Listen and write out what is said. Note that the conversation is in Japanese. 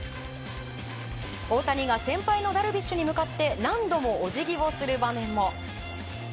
大谷が先輩のダルビッシュに向かって何度もお辞儀をする場面も。